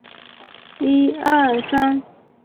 异囊地蛛为地蛛科地蛛属的动物。